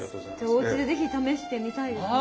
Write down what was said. おうちで是非試してみたいですね。